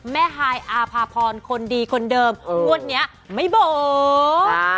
แม่ฮายอาภาพรคนดีคนเดิมงวดเนี่ยไม่เบา